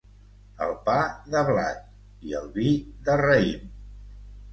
El pa, de blat; i el vi, de raïm.